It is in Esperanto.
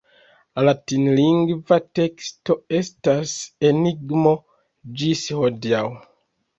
La latinlingva teksto estas enigmo ĝis hodiaŭ.